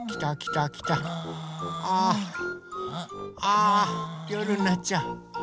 あよるになっちゃう！